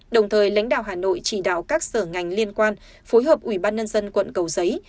đồng thời lãnh đạo hà nội chỉ đạo các sở ngành liên quan phối hợp ủy ban nhân dân quận cầu giấy